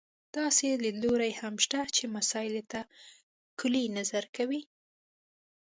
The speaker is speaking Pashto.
داسې لیدلوري هم شته چې مسألې ته کُلي نظر کوي.